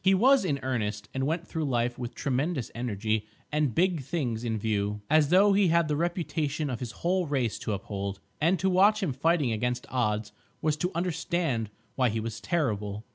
He was in earnest, and went through life with tremendous energy and big things in view, as though he had the reputation of his whole race to uphold. And to watch him fighting against odds was to understand why he was terrible.